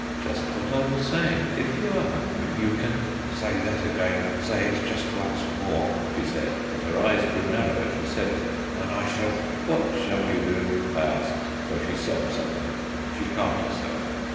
"Just what I was saying; if you are hungry, you can " "Say that again, say it just once more," she said, and her eyes grew narrow as she said it, "and I shall " "What shall you do?" I asked, for she stopped suddenly. She calmed herself.